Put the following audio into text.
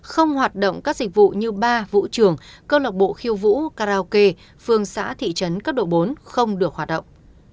không hoạt động các dịch vụ như bar vũ trường cơ lộc bộ khiêu vũ karaoke phường xã thị trấn cấp độ bốn không được hoạt động